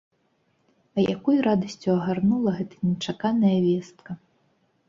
А якой радасцю агарнула гэта нечаканая вестка!